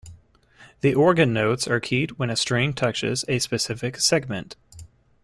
The organ notes are keyed when a string touches a specific segment.